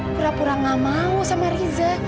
pura pura gak mau sama riza